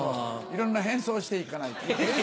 いろんな変装して行かないと。